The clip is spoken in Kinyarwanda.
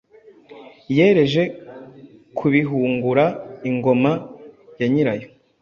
Yereje kubihungura ingoma.yanyirayo